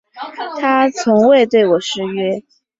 他从未对我失约